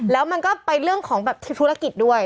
แล้วมันก็ไปเรื่องของแบบธุรกิจด้วย